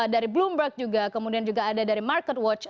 dari bloomberg juga kemudian juga ada dari market watch